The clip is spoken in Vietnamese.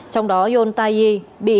trong đó yon tai yi bị interpol truy nã quốc tế